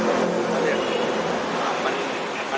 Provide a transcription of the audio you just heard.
นะครับทุกคะแนนก็ได้ทำการตรัสลงที่เรียบร้อยนะครับ